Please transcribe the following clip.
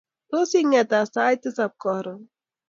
tos ingeta sait tisap karon